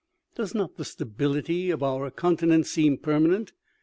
Does not the stability of our continent seem permanent?